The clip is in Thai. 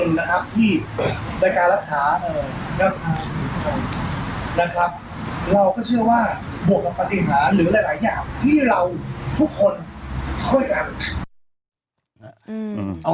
อยู่ในช่วงที่เขากำลังให้ยา